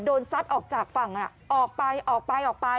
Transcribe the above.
โดนซัดออกจากฝั่งออกไปออกไปออกไป